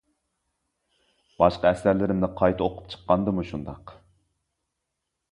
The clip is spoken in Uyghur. باشقا ئەسەرلىرىمنى قايتا ئوقۇپ چىققاندىمۇ شۇنداق.